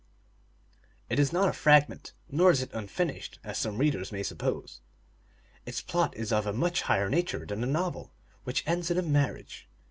It is not a fragment, nor is it unfinished, as some readers may suppose. Its plot is of a much higher nature than a novel, which ends in a marriage.